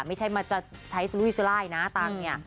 ไม่ใช่มันจะใช้รุ่ยสุลาห์อย่างนี้